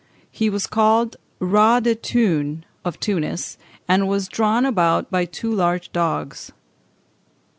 He was called Roi de Tunes (Tunis), and was drawn about by two large dogs.